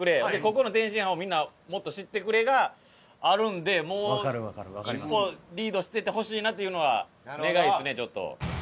「ここの天津飯をみんなもっと知ってくれ」があるんでもう一歩リードしててほしいなっていうのは願いですねちょっと。